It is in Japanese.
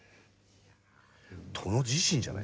殿自身じゃない？